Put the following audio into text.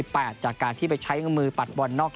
เพราะว่าพี่น่ารักษิกรรมให้